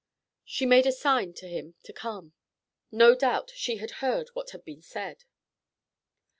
She made a sign to him to come. No doubt she had heard what had been said.